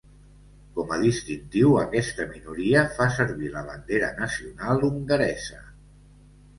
Com a distintiu, aquesta minoria fa servir la bandera nacional hongaresa.